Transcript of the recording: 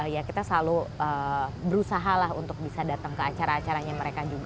ya kita selalu berusaha lah untuk bisa datang ke acara acaranya mereka juga